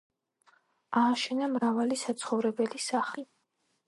ააშენა მრავალი საცხოვრებელი სახლი.